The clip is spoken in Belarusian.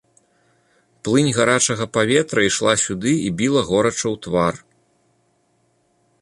Плынь гарачага паветра ішла сюды і біла горача ў твар.